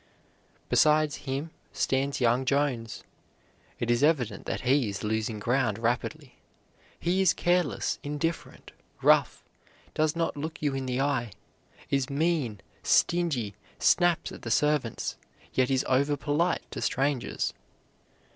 Besides him stands young Jones. It is evident that he is losing ground rapidly. He is careless, indifferent, rough, does not look you in the eye, is mean, stingy, snaps at the servants, yet is over polite to strangers.